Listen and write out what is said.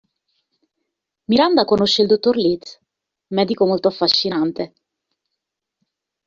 Miranda conosce il dottor Leeds, medico molto affascinante.